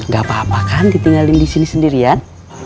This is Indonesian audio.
gapapa kan ditinggalin disini sendirian